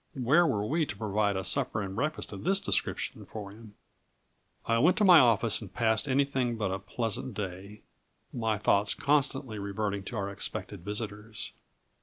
Where were we to provide a supper and breakfast of this description for him? I went to my office, and passed anything but a pleasant day, my thoughts constantly reverting to our expected visitors.